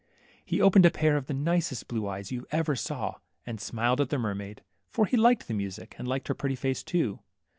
He opened a pair of the nicest blue eyes you ever saw, and smiled at the mermaid, for he liked the music and liked her pretty face too.